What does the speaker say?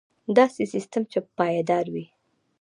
داسې سیستم چې پایدار وي.